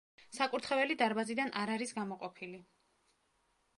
საკურთხეველი დარბაზიდან არ არის გამოყოფილი.